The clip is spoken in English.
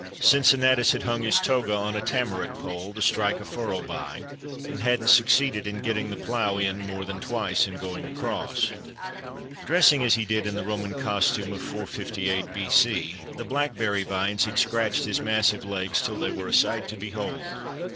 Cincinnatus had hung his toga on a tamarac pole to strike a furrow by, and hadn't succeeded in getting the plough in more than twice in going across. Dressing as he did in the Roman costume of 458 B. C., the blackberry vines had scratched his massive legs till they were a sight to behold.